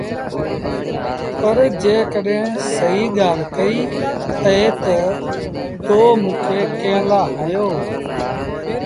پر جيڪڏهينٚ سهيٚ ڳآل ڪئيٚ اهي تا تو موٚنٚ کي ڪݩهݩ لآ هݩيو؟